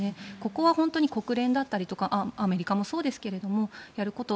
ここは本当に国連だったりとかアメリカもそうですけれどもやること。